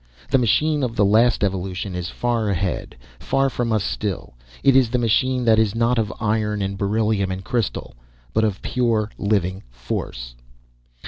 The machine of the last evolution is far ahead, far from us still. It is the machine that is not of iron and beryllium and crystal, but of pure, living force.